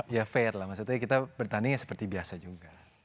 ya fair lah maksudnya kita bertanding seperti biasa juga